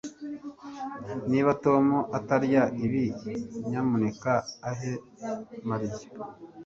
niba tom atarya ibi, nyamuneka uhe mariya